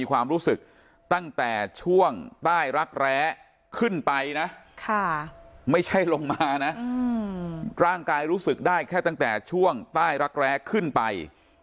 คืนไปนะไม่ใช่ลงมานะผู้ร่างกายรู้สึกได้แค่ตั้งแต่ช่วงตรายรักแร๊ขึ้นไป